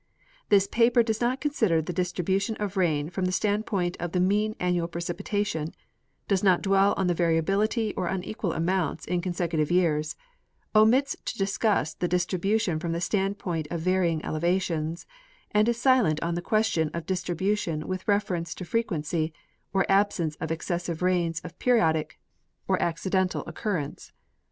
This paper does not consider the distribution of rain from the standpoint of the mean annual precipitation, does not dwell on the variability or unequal amounts in consecutive years, omits to discuss the distribution from the standpoint of varying eleva tions, and is silent on the question of distribution with reference to frequency or absence of excessive rains of periodic or acci 7— Nat. Gf.og. Mag., vol. V, 1893. (45) 46 Gen. A.W.Greely — Rainfall Types of the United States. dental occurrence.